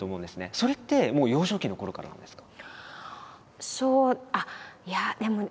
それってもう幼少期のころからなんですか？